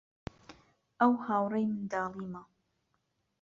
ئەو هاوڕێی منداڵیمە.